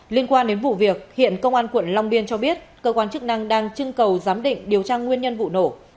liên quan đến vụ việc hiện công an quận long biên cho biết cơ quan chức năng đang trưng cầu giám định điều tra nguyên nhân vụ nổ